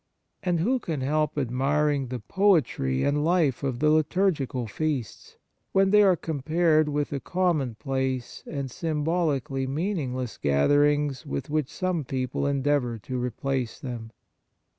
And who can help admiring the poetry and life of the liturgical feasts, when they are compared with the common place and symbolically meaningless gatherings with which some people endeavour to replace them